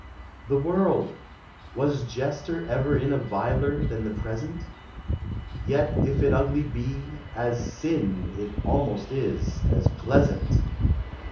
] The World ! Was jester ever in A viler than the present ? Yet if it ugly be — as sin, It almost is — as pleasant